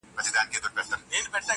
o چي خبره د رښتیا سي هم ترخه سي,